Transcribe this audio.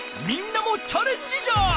みんなもチャレンジじゃ！